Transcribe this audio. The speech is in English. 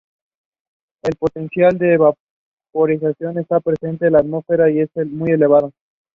The original text is written in Hebrew language.